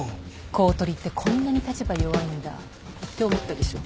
公取ってこんなに立場弱いんだ。って思ったでしょ？